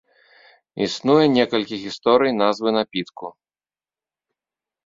Існуе некалькі гісторый назвы напітку.